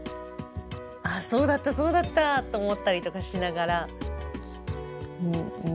ああそうだったそうだったと思ったりとかしながら見てました。